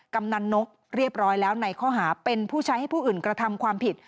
กำนันนกเรียบร้อยแล้วในข้อหาเป็นผู้ใช้ให้ผู้อื่นกระทำความผิด